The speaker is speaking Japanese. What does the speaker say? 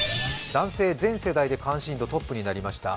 男性全世代で関心度トップとなりました。